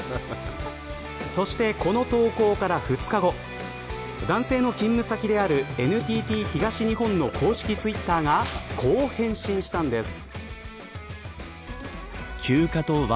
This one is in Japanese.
そして、この投稿から２日後男性の勤務先であるＮＴＴ東日本の公式ツイッターがこう返信したんです。